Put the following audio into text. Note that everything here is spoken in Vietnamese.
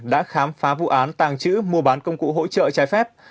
đã khám phá vụ án tàng trữ mua bán công cụ hỗ trợ trái phép